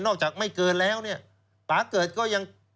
นอกจากไม่เกินแล้วป่าเกิดก็ยัง